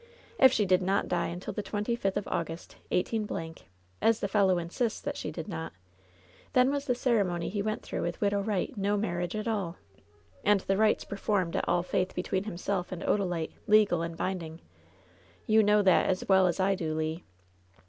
If she did not die imtil the twenty fifth of August, 18 —, as the fellow insists that she did not, then was the cere mony he went through with the Widow Wright no mar riage at all, and the rites performed at All Faith be tween himself and Odalite legal and binding. You know that as well as I do, Le."